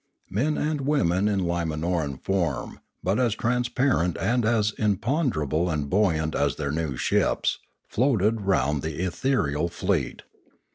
Men and women in Limanoran form, but as transparent and as imponderable and buoyant as their new ships, floated round the ethereal fleet.